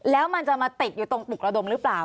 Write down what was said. แล้วมันจะมาติดอยู่ตรงปลุกระดมหรือเปล่า